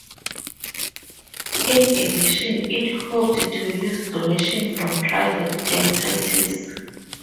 In addition it hoped to use donations from private entities.